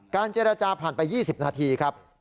เจรจาผ่านไป๒๐นาทีครับ